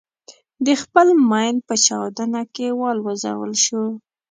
د خپل ماین په چاودنه کې والوزول شو.